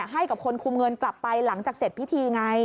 ให้กับคนคุมเงินกลับไปหลังจากเสร็จพิธีไง